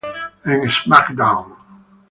En "SmackDown!